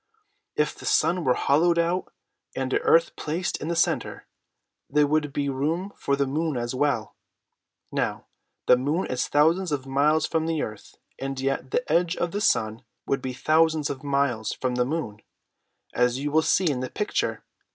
If the sun were hollowed out, and the earth placed in the center, there would be room for the moon as well. Now the moon is thousands of miles from the earth, and yet the edge of the sun would be thousands of miles from the moon, as you will see in the picture.